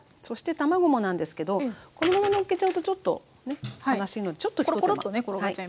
そして卵もなんですけどこのままのっけちゃうとちょっとね悲しいのでちょっと一手間。